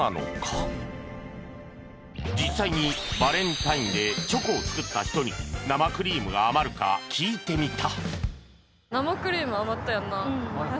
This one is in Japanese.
実際にバレンタインでチョコを作った人に生クリームが余るか聞いてみた